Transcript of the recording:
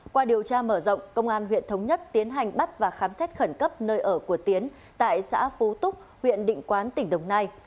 qua điều tra mở rộng công an huyện thống nhất tiến hành bắt và khám xét khẩn cấp nơi ở của tiến tại xã phú túc huyện định quán tỉnh đồng nai